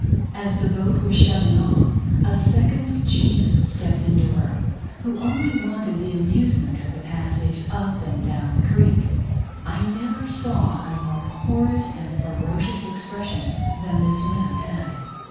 As the boat was shoving off, a second chief stepped into her, who only wanted the amusement of the passage up and down the creek. I never saw a more horrid and ferocious expression than this man had.